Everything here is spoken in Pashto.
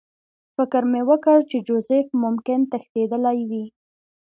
فکر مې وکړ چې جوزف ممکن تښتېدلی وي